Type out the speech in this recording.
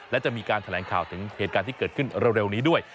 และจะมีการแถลงข่าวถึงเหตุการณ์ที่เกิดขึ้นเร็วนี้ด้วย